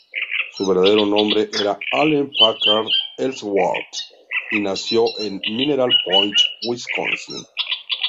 Su verdadero nombre era Allen Packard Ellsworth, y nació en Mineral Point, Wisconsin.